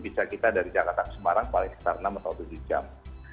bisa kita dari jakarta ke semarang paling sekitar enam atau tujuh jam